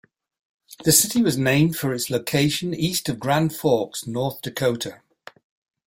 The city was named for its location east of Grand Forks, North Dakota.